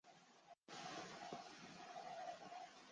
إِنَّ الإِنسانَ لَفي خُسرٍ